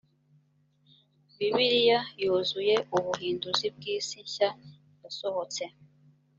bibiliya yuzuye y ubuhinduzi bw isi nshya yasohotse